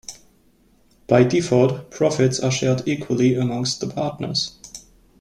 By default, profits are shared equally amongst the partners.